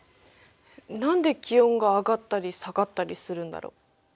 何で気温が上がったり下がったりするんだろう？